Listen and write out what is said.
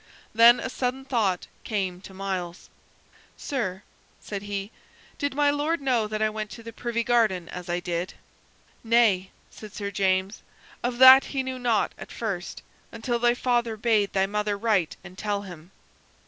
Then a sudden thought came to Myles. "Sir," said he, "did my Lord know that I went to the privy garden as I did?" "Nay," said Sir James; "of that he knew naught at first until thy father bade thy mother write and tell him."